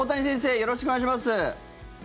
よろしくお願いします。